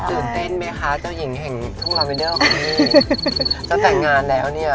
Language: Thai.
ตื่นเต้นไหมคะเจ้าหญิงแห่งทุ่งลาเวเดอร์ของพี่เจ้าแต่งงานแล้วเนี่ย